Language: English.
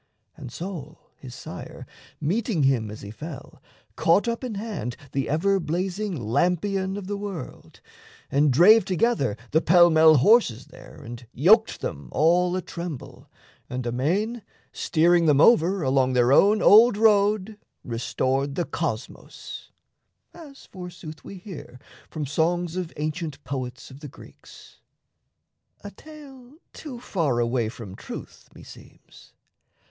And Sol, his sire, Meeting him as he fell, caught up in hand The ever blazing lampion of the world, And drave together the pell mell horses there And yoked them all a tremble, and amain, Steering them over along their own old road, Restored the cosmos, as forsooth we hear From songs of ancient poets of the Greeks A tale too far away from truth, meseems.